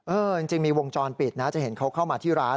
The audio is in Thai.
จริงมีวงจรปิดนะจะเห็นเขาเข้ามาที่ร้าน